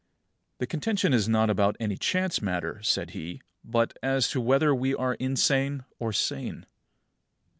38. The contention is not about any chance matter, said he, but as to whether we are insane or sane.